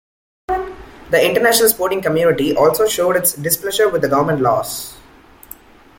The international sporting community also showed its displeasure with the government's laws.